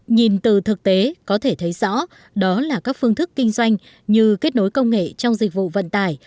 nhìn từ thực tế có thể thấy rõ đó là các phương thức kinh doanh như kết nối công nghệ trong dịch vụ vận tải